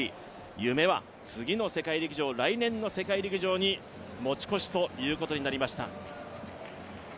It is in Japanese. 夢は次の世界陸上、来年の世界陸上に持ち越しということになりました。